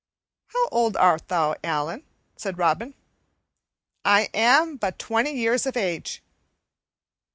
"How old art thou, Allan?" said Robin. "I am but twenty years of age."